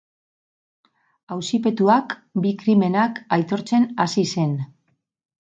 Auzipetuak bi krimenak aitortzen hasi zen.